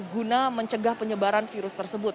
guna mencegah penyebaran virus tersebut